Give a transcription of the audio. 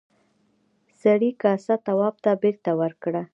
سړي کاسه تواب ته بېرته ورکړه.